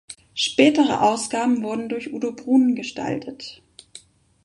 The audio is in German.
Spätere Ausgaben wurden durch Udo Bruhn gestaltet.